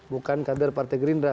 bukan kader partai gerindra